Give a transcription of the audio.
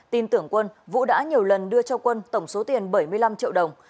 tin tưởng quân vũ đã nhiều lần đưa cho quân tổng số tiền bảy mươi năm triệu đồng